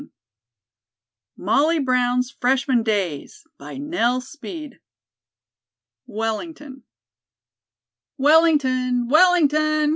152 Molly Brown's Freshman Days CHAPTER I. WELLINGTON. "Wellington! Wellington!"